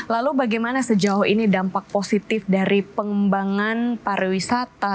lalu bagaimana sejauh ini dampak positif dari pengembangan pariwisata